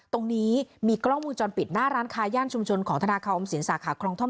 ตรงนี้มีกล้องวงจรปิดหน้าร้านค้าย่านชุมชนของธนาคารออมสินสาขาคลองท่อม